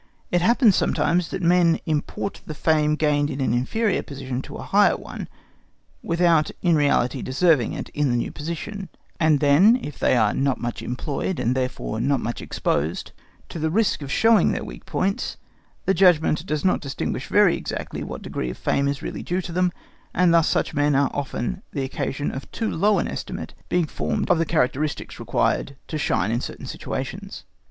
It happens sometimes that men import the fame gained in an inferior position into a higher one, without in reality deserving it in the new position; and then if they are not much employed, and therefore not much exposed to the risk of showing their weak points, the judgment does not distinguish very exactly what degree of fame is really due to them; and thus such men are often the occasion of too low an estimate being formed of the characteristics required to shine in certain situations.